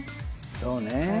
そうね。